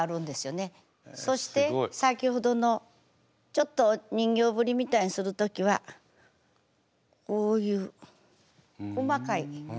そして先ほどのちょっと人形振りみたいにする時はこういう細かい首の振り方。